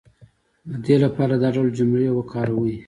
د دې لپاره دا ډول جملې وکاروئ